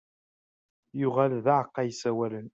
Yuɣal d aεeqqa yessawalen.